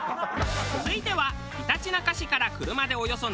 続いてはひたちなか市から車でおよそ７０分。